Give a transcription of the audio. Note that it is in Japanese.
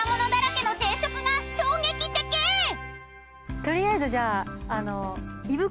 取りあえずじゃああの。